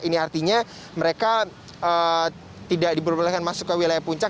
ini artinya mereka tidak diperbolehkan masuk ke wilayah puncak